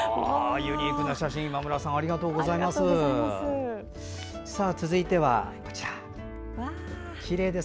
ユニークな写真ありがとうございます。